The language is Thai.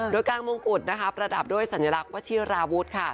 โดยกลางมงกุฎนะคะประดับด้วยสัญลักษณ์วชิราวุฒิค่ะ